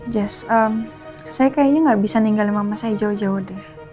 jazz saya kayaknya nggak bisa ninggalin mama saya jauh jauh deh